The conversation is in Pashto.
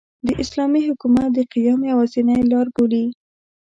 د اسلامي حکومت د قیام یوازینۍ لاربولي.